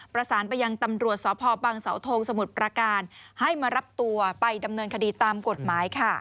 ประสานไปยังตำรวจสพบังเสาทงสมุทรประการให้มารับตัวไปดำเนินคดีตามกฎหมายค่ะ